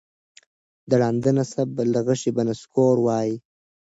د ړانده نصیب له غشي به نسکور وای